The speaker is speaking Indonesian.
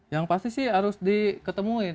yang pasti sih harus diketemuin